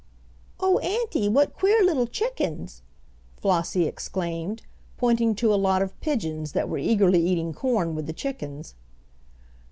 "Oh, auntie, what queer little chickens!" Flossie exclaimed, pointing to a lot of pigeons that were eagerly eating corn with the chickens.